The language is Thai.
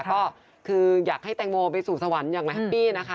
ก็คืออยากให้แตงโมไปสู่สวรรค์อย่างแฮปปี้นะคะ